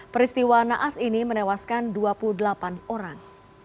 peristiwa naas ini menewaskan dua puluh delapan orang